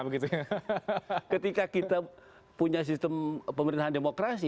ketika kita punya sistem pemerintahan demokrasi